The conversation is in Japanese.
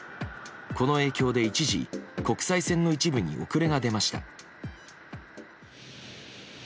この影響で一時国際線の一部に遅れが出ました。